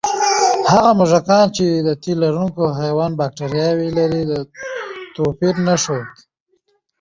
هغه موږکان چې د تیلرونکي حیوان بکتریاوې لري، توپیر نه ښود.